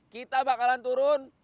kita bakalan turun